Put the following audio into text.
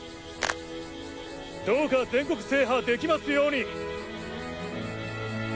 どうか全国制覇できますように！